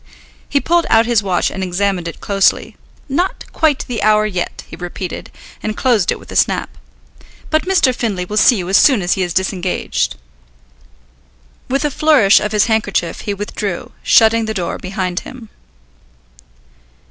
He pulled out his watch and examined it closely. "Not quite the hour yet," he repeated, and closed it with a snap. "But Mr. Findlay will see you as soon as he is disengaged." With a flourish of his handkerchief he withdrew, shutting the door behind him.